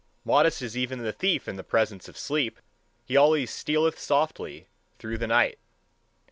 Modest is even the thief in presence of sleep: he always stealeth softly through the night.